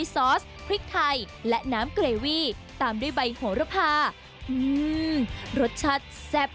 ซอสพริกไทยและน้ำเกรวีตามด้วยใบหัวระพารสชัดแซ่บ